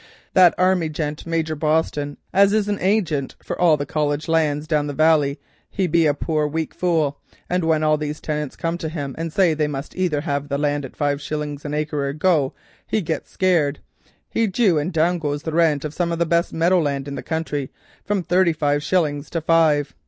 That army gent, Major Boston, as is agent for all the College lands down the valley, he be a poor weak fule, and when all these tinants come to him and say that they must either hev the land at five shillings an acre or go, he gits scared, he du, and down goes the rent of some of the best meadow land in the country from thirty five shillings to five.